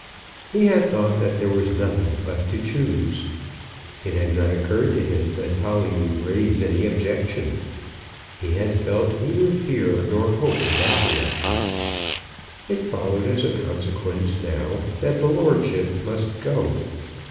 He had thought that there was nothing but to choose. It had not occurred to him that Polly would raise any objection. He had felt neither fear nor hope in that direction. It followed as a consequence now that the lordship must go.